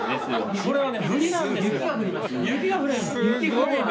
これはね。